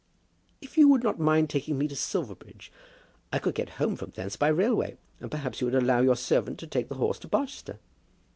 "If you would not mind taking me to Silverbridge, I could get home from thence by railway; and perhaps you would allow your servant to take the horse to Barchester."